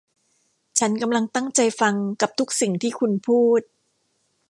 ฉันกำลังตั้งใจฟังกับทุกสิ่งที่คุณพูด